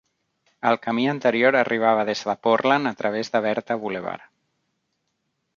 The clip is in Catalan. El camí anterior arribava des de Portland a través de Bertha Blvd